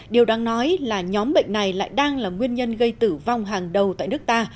điều đáng nói là nhóm bệnh này lại đang là nguyên nhân gây tử vong hàng đầu tại nước ta